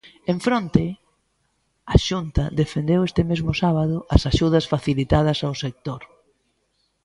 En fronte, a Xunta defendeu este mesmo sábado as axudas facilitadas ao sector.